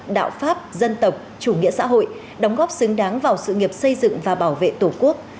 đạo pháp dân tộc chủ nghĩa xã hội đóng góp xứng đáng vào sự nghiệp xây dựng và bảo vệ tổ quốc